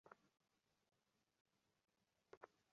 ওকে দেখে খুব একটা সুবিধার মনে হচ্ছিল না।